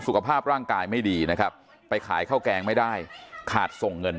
สุขภาพร่างกายไม่ดีนะครับไปขายข้าวแกงไม่ได้ขาดส่งเงิน